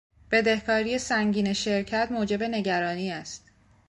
بدهکاری سنگین شرکت موجب نگرانی است.